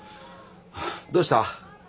どうした？